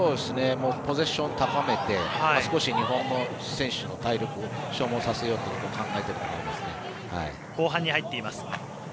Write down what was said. ポゼッションを高めて少し日本の選手の体力を消耗させようと後半に入っています。